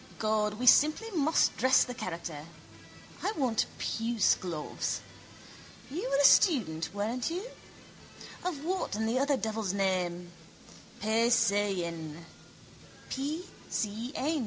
God, we simply must dress the character. I want puce gloves. You were a student, weren't you? Of what in the other devil's name? Paysayenn. P. C. N.